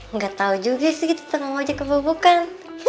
nggak tau juga sih gitu kang ojek kebobokan